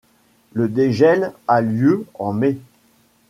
Le dégel a lieu en mai.